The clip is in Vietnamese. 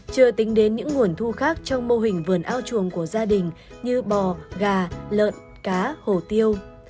chưa tính đến những nguồn thu khác trong mô hình vườn ao chuồng của gia đình như bò gà lợn cá hồ tiêu